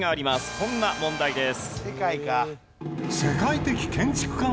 こんな問題です。